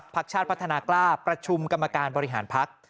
พักชาติพัฒนากล้าประชุมกรรมการบริหารพัก